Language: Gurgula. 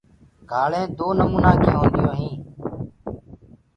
گھآݪینٚ دو نمونآ ڪي هونديو هينٚ۔